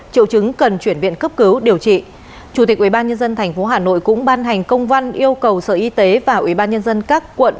chủ tịch ubnd tp hà nội cũng ban hành công văn yêu cầu sở y tế và ubnd các quận